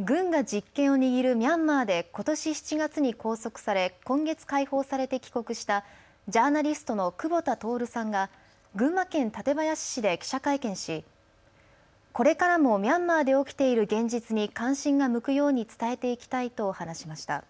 軍が実権を握るミャンマーでことし７月に拘束され今月、解放されて帰国したジャーナリストの久保田徹さんが群馬県館林市で記者会見しこれからもミャンマーで起きている現実に関心が向くように伝えていきたいと話しました。